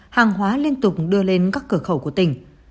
hàng hóa liên tục đưa lên các cửa khẩu của tỉnh